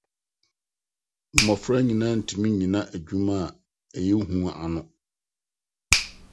Mmofra nyinaa ntumi nnyina adwuma a ɛyɛ hu ano.